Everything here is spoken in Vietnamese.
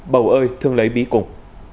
bầu ơi thương lấy bí cùng